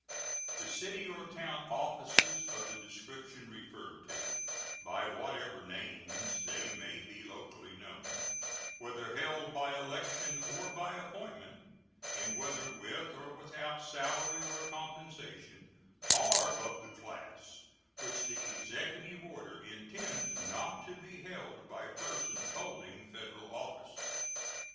The city or town offices of the description referred to, by whatever names they may be locally known, whether held by election or by appointment, and whether with or without salary or compensation, are of the class which the Executive order intends not to be held by persons holding Federal offices.